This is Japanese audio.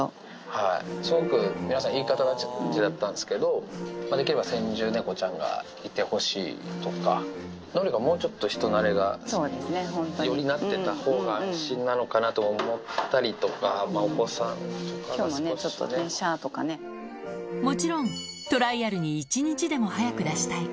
はい、すごく皆さん、いい方たちだったんですけど、できれば先住猫ちゃんがいてほしいとか、のりがもうちょっと、人なれがよりなってたほうが安心なのかなとも思ったりとか、きょうもね、ちょっとね、もちろん、トライアルに一日でも早く出したい。